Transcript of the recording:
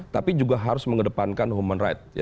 tapi juga harus mengedepankan human right